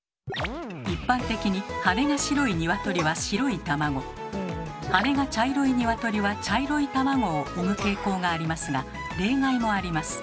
一般的に羽が白い鶏は白い卵羽が茶色い鶏は茶色い卵を産む傾向がありますが例外もあります。